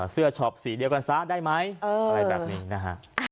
เสื้อชอบสีเดียวกันซะได้ไหมอะไรแบบนี้นะครับ